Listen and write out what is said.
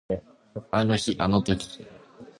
あの日あの時